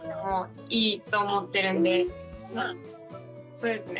そうですね